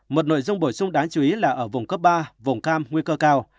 một nội dung bổ sung đáng chú ý là ở vùng cấp ba vùng cam nguy cơ cao